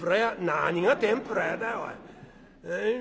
「何が天ぷら屋だよおい。